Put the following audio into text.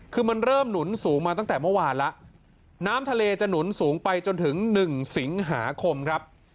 คือมันเริ่มหนุนสูงมาตั้งแต่เมื่อวานแล้วน้ำทะเลจะหนุนสูงไปจนถึงหนึ่งสิงหาคมครับ